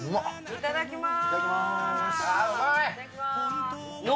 いただきます。